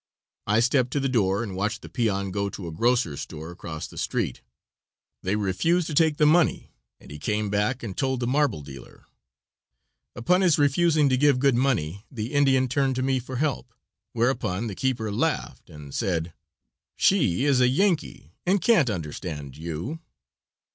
I stepped to the door and watched the peon go to a grocer's store across the street. They refused to take the money and he came back and told the marble dealer. Upon his refusing to give good money the Indian turned to me for help, whereupon the keeper laughed and said: "She is a Yankee and can't understand you."